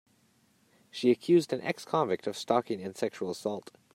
She accused an ex-convict of stalking and sexual assault.